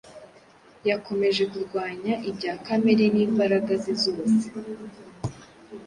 yakomeje kurwanya ibya kamere n’imbaraga ze sose.